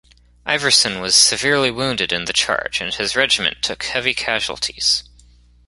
Iverson was severely wounded in the charge and his regiment took heavy casualties.